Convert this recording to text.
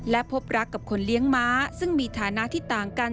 และพบรักกับคนเลี้ยงม้าซึ่งมีฐานะที่ต่างกัน